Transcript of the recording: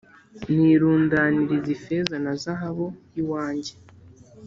Nirundaniriza ifeza n’izahabu iwanjye